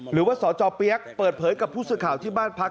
หรือว่าสจเปี๊ยกเปิดเผยกับผู้สื่อข่าวที่บ้านพัก